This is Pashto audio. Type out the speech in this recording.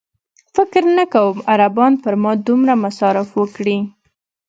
فکر نه کوم عربان پر ما دومره مصارف وکړي.